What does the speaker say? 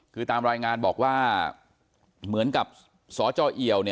คือตามรายงานบอกว่าเหมือนกับสจเอี่ยว